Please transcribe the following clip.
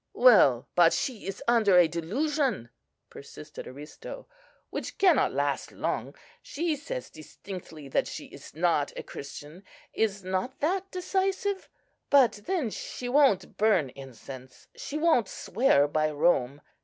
"Well, but she is under a delusion," persisted Aristo, "which cannot last long. She says distinctly that she is not a Christian, is not that decisive? but then she won't burn incense; she won't swear by Rome.